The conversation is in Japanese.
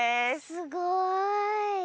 すごい。